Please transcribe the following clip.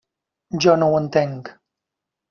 Jo no ho entenc.